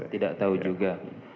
tidak tahu juga